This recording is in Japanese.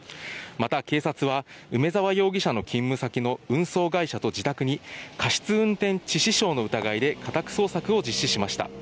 また警察は梅沢容疑者の勤務先の運送会社と自宅に過失運転致死傷の疑いで家宅捜索を実施しました。